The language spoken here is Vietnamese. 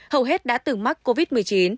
hầu hết đã từng mắc covid một mươi chín